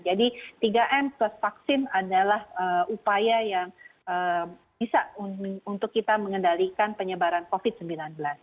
jadi tiga m plus vaksin adalah upaya yang bisa untuk kita mengendalikan penyebaran covid sembilan belas